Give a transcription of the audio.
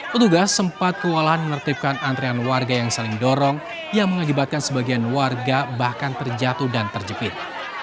petugas sempat kewalahan menertibkan antrean warga yang saling dorong yang mengakibatkan sebagian warga bahkan terjatuh dan terjepit